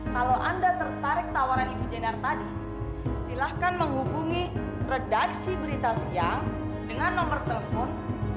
kalau anda tertarik tawaran ibu jenar tadi silakan menghubungi redaksi berita siang dengan nomor telepon tujuh ratus tiga puluh empat seribu tujuh ratus tujuh puluh lima